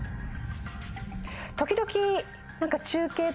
時々。